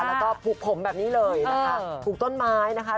แล้วก็ปลูกผมแบบนี้เลยนะคะปลูกต้นไม้นะคะ